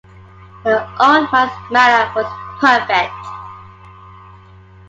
The old man’s manner was perfect.